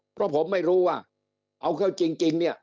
เพราะผมไม่รู้ว่าเอาเข้าจริงเนี่ย